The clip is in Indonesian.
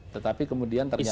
tetapi kemudian ternyata